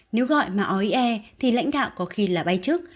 nếu gọi mà oie thì lãnh đạo có khi là bay trước